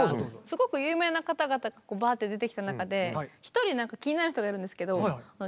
すごく有名な方々がバーッて出てきた中で１人気になる人がいるんですけどあ